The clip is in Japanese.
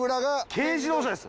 軽自動車です。